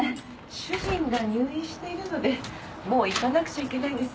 主人が入院しているのでもう行かなくちゃいけないんです。